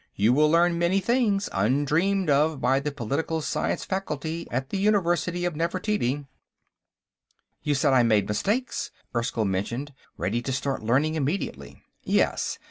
You will learn many things undreamed of by the political science faculty at the University of Nefertiti." "You said I made mistakes," Erskyll mentioned, ready to start learning immediately. "Yes.